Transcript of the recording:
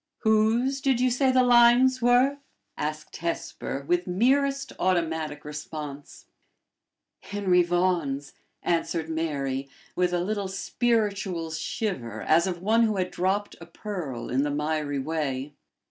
'" "Whose did you say the lines were?" asked Hesper, with merest automatic response. "Henry Vaughan's," answered Mary, with a little spiritual shiver as of one who had dropped a pearl in the miry way.